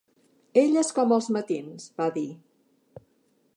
"Ella és com els matins", va dir.